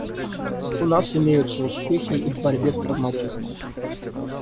У нас имеются успехи и в борьбе с травматизмом.